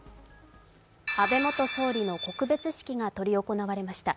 安倍元総理の告別式が執り行われました。